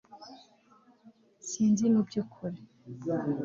sinzi mubyukuri